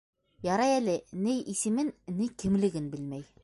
Ярай әле, ней исемен, ней кемлеген белмәй.